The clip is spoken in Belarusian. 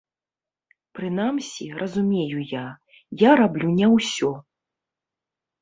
Прынамсі, разумею я, я раблю не ўсё.